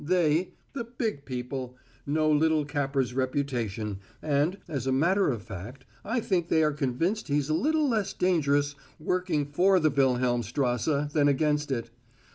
They the big people know little Capper's reputation, and, as a matter of fact, I think they are convinced he's a little less dangerous working for the Wilhelmstrasse than against it.